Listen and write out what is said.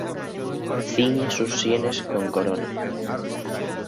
Ciñe sus sienes con corona.